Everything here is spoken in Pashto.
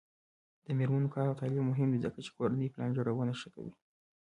د میرمنو کار او تعلیم مهم دی ځکه چې کورنۍ پلان جوړونه ښه کوي.